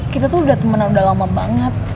kita tuh udah temenan udah lama banget